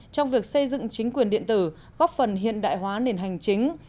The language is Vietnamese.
trong việc xây dựng chính quyền điện tử góp phần hiện đại hóa nền hành chính